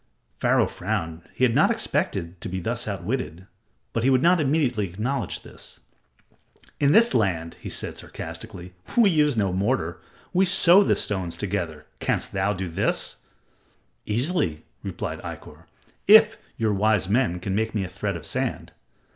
Pharaoh frowned. He had not expected to be thus outwitted, but he would not immediately acknowledge this. "In this land," he said, sarcastically, "we use no mortar. We sew the stones together. Canst thou do this?" "Easily," replied Ikkor, "if your wise men can make me a thread of sand."